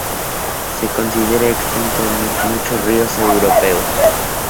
Se considera extinto en muchos ríos europeos.